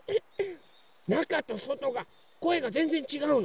なかとそとがこえがぜんぜんちがうの。